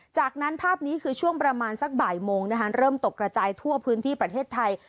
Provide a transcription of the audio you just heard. จากนั้นภาพนี้คือช่วงประมาณสักบ่ายโมงเริ่มตกกระจายทั่วพื้นที่ประเทศไทย